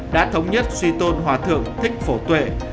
đã thống nhất suy tôn hòa thượng thích phổ tuệ